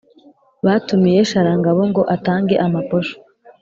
Batumiye Sharangabo, ngo atange amaposho